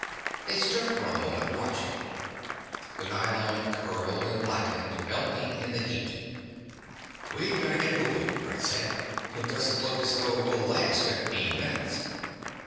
They stood for a moment watching. The nylon curled and blackened, melting in the heat. "We'd better get moving," Brett said. "It doesn't look as though it will last fifteen minutes."